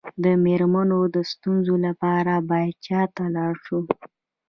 د میرمنو د ستونزو لپاره باید چا ته لاړ شم؟